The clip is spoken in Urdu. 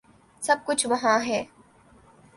سب کچھ وہاں ہے۔